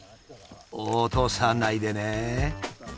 落とさないでね。